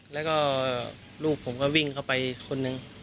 แล้วก็ลูกผมก็วิ่งเข้าไปคนหนึ่ง